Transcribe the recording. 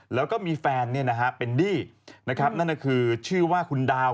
แล้วก็มีแฟนเป็นดี้นะครับนั่นก็คือชื่อว่าคุณดาว